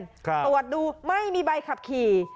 ตรวจดูไม่มีใบขับขี่